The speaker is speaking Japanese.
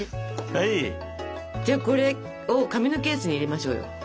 じゃあこれを紙のケースに入れましょうよ。